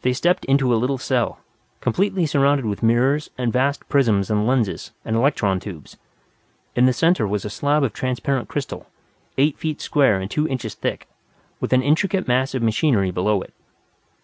They stepped into a little cell, completely surrounded with mirrors and vast prisms and lenses and electron tubes. In the center was a slab of transparent crystal, eight feet square and two inches thick, with an intricate mass of machinery below it.